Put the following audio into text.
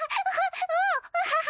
アハハ！